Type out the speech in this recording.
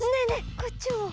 こっちも！